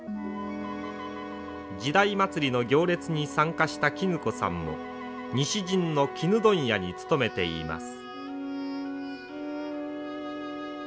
時代祭の行列に参加した衣子さんも西陣の絹問屋に勤めています。